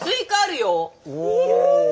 いる。